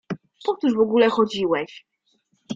Po cóż w ogóle chodziłeś?